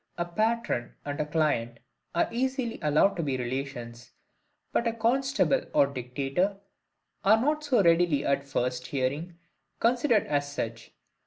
a patron and client are easily allowed to be relations, but a constable or dictator are not so readily at first hearing considered as such.